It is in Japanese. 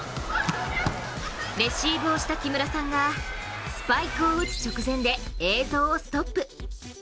レシーブをした木村さんがスパイクを打つ直前で映像をストップ。